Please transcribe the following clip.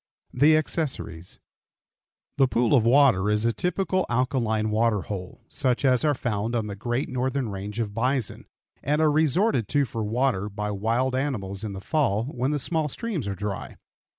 THE ACCESSORIES. The pool of water is a typical alkaline water hole, such as are found on the great northern range of bison, and are resorted to for water by wild animals in the fall when the small streams are dry.